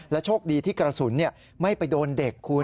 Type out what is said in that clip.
โชคดีที่กระสุนไม่ไปโดนเด็กคุณ